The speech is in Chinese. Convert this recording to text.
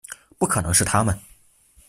不可能是他们